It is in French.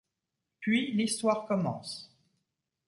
Puis l'histoire commence.